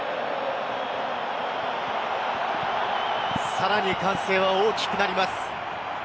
さらに歓声が大きくなります。